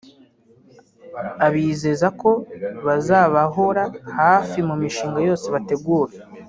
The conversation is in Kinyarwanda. abizeza ko bazabahora hafi mu mishinga yose bategura